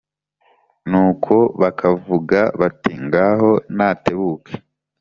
Nuko bakavuga bati «Ngaho natebuke,